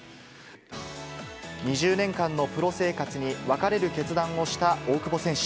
２０年間のプロ生活に別れる決断をした大久保選手。